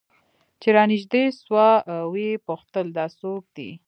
چې رانژدې سوه ويې پوښتل دا څوك دى؟